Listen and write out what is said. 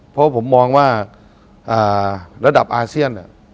เพราะผมมองว่าระดับอาเซียน